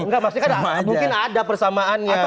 maksudnya kan mungkin ada persamaan ya